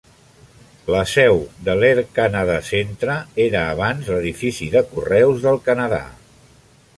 La seu de l'Air Canada Centre era abans l'edifici de correus del Canadà.